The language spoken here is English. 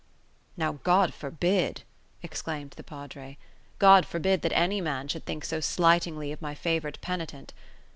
"Now God forbid!" exclaimed the Padre. "God forbid that any man should think so slightingly of my favourite penitent.